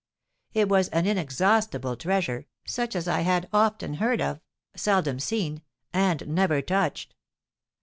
It was an inexhaustible treasure, such as I had often heard of, seldom seen, and never touched.